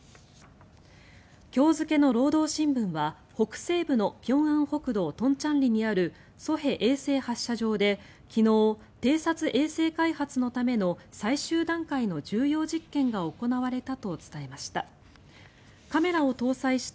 今日付の労働新聞は北西部の平安北道東倉里にある西海衛星発射場で昨日偵察衛星開発のための最終段階の重要実験が行われたと伝えました。